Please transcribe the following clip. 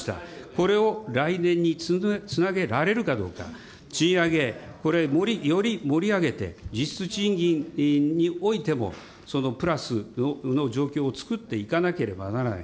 これを来年につなげられるかどうか、賃上げ、これ、より盛り上げて、実質賃金においてもそのプラスの状況を作っていかなければならない。